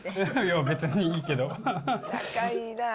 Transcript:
別にいいけど。